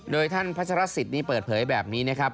โดยท่านพัชรสิทธิ์นี้เปิดเผยแบบนี้นะครับ